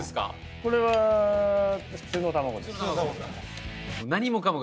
これは普通の卵です